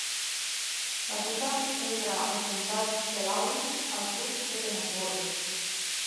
La ruta entra al comtat de Lawrence al sud de Pennsboro.